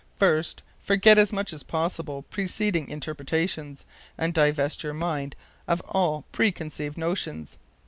First, forget as much as possible preceding interpretations, and divest your mind of all preconceived notions.